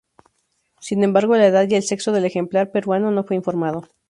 Sin embargo, la edad y el sexo del ejemplar peruano no fue informado.